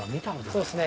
そうですね。